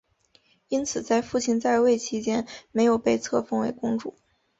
因此在父亲在位期间没有被册封为公主。